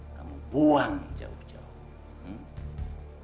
kamu buang jauh jauh